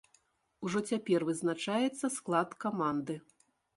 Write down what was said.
Ужо цяпер вызначаецца склад каманды.